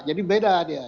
jadi beda dia